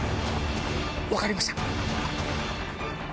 分かりました。